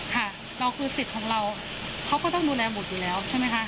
ค่ะเราคือสิทธิ์ของเราเขาก็ต้องดูแลบุตรอยู่แล้วใช่ไหมคะ